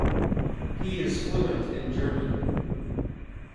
He is fluent in German.